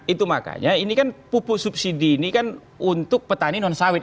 itu makanya ini kan pupuk subsidi ini kan untuk petani non sawit